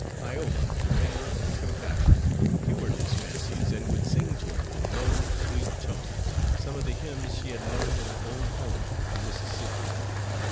Iola, tender and compassionate, humored his fancies, and would sing to him in low, sweet tones some of the hymns she had learned in her old home in Mississippi.